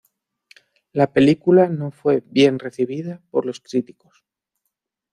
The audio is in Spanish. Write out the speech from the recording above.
La película no fue bien recibida por los críticos.